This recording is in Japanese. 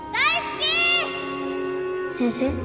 先生。